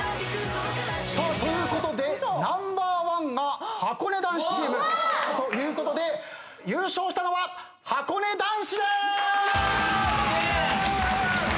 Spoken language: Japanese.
さあということでナンバーワンがはこね男子チームということで優勝したのははこね男子です！